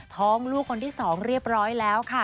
ท้องลูกคนที่๒เรียบร้อยแล้วค่ะ